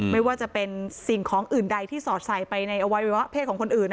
ไม่ว่าจะเป็นสิ่งของอื่นใดที่สอดใส่ไปในอวัยวะเพศของคนอื่น